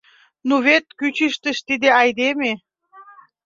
Ну вет кӱчыштыш тиде айдеме!